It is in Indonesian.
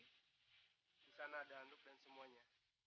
bukan ada anduk dan semuanya